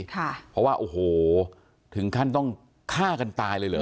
เพราะว่าโอ้โหถึงขั้นต้องฆ่ากันตายเลยเหรอ